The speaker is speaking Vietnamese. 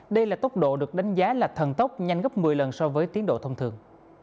đây là tốc độ được đánh giá là thần tốc nhanh gấp một mươi lần so với tiến độ thông thường